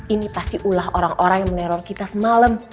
ini pasti ulah orang orang yang meneror kita semalam